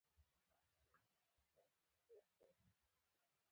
د سپین بولدک بندر په سویل کې دی